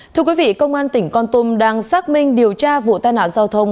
thưa quý vị công an tỉnh con tum đang xác minh điều tra vụ tai nạn giao thông